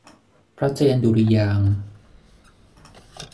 พระเจนดุริยางค์